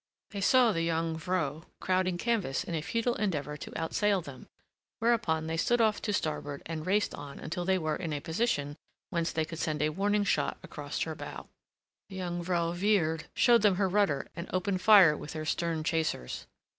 They saw the Jongvrow crowding canvas in a futile endeavour to outsail them, whereupon they stood off to starboard and raced on until they were in a position whence they could send a warning shot across her bow. The Jongvrow veered, showed them her rudder, and opened fire with her stern chasers.